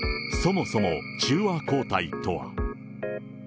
そもそも中和抗体とは。